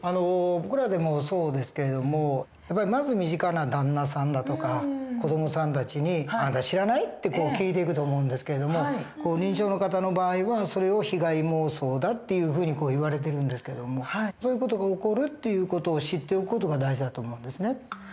僕らでもそうですけれどもまず身近な旦那さんだとか子どもさんたちに「あんた知らない？」って聞いていくと思うんですけども認知症の方の場合はそれを被害妄想だっていうふうに言われてるんですけどもそういう事が起こるという事を知っておく事が大事だと思うんですね。